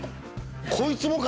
こいつもか！